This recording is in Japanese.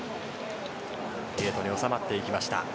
ゲートに収まっていきました。